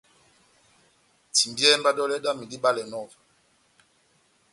Timbiyɛhɛ mba dɔlɛ dami dibalɛnɔ ová.